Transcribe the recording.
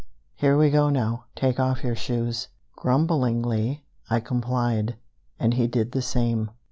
Here we go now. Take off your shoes." Grumblingly I complied, and he did the same.